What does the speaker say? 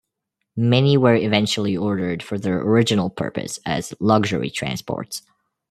Many were eventually ordered for their original purpose as luxury transports.